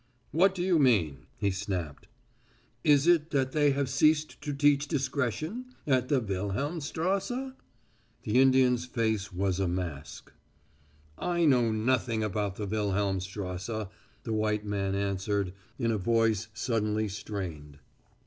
"What do you mean?" he snapped. "Is it that they have ceased to teach discretion at the Wilhelmstrasse?" The Indian's face was a mask. "I know nothing about the Wilhelmstrasse," the white man answered, in a voice suddenly strained.